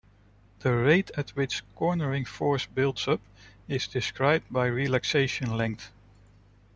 The rate at which cornering force builds up is described by relaxation length.